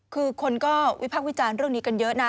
คือคนก็วิพากษ์วิจารณ์เรื่องนี้กันเยอะนะ